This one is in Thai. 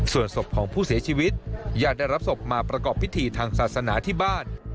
ส่วนศพของผู้เสียชีวิตญาติได้รับศพมาประกอบพิธีทางศาสนาที่บ้าน